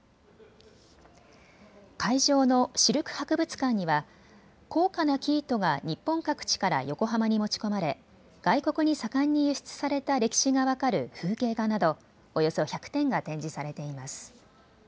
会場のシルク博物館には高価な生糸が日本各地から横浜に持ち込まれ外国に盛んに輸出された歴史が分かる風景画などおよそ１００点が展示されています。